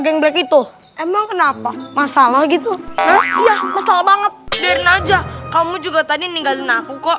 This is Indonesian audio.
geng begitu emang kenapa masalah gitu ya masalah banget